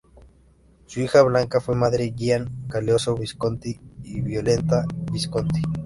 Su hija Blanca fue madre Gian Galeazzo Visconti y Violante Visconti.